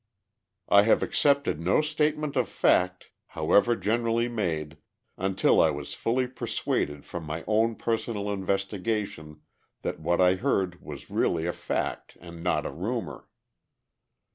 I have accepted no statement of fact, however generally made, until I was fully persuaded from my own personal investigation that what I heard was really a fact and not a rumour.